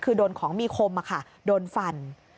คือโดนของมีคมมาค่ะโดนฟัน